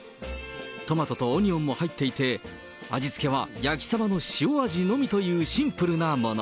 トマトとオニオンも入っていて、味付けは焼きサバの塩味のみというシンプルなもの。